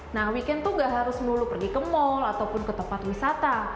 nah weekend tuh gak harus melulu pergi ke mall ataupun ke tempat wisata